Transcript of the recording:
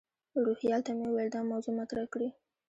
روهیال ته مې وویل دا موضوع مطرح کړي.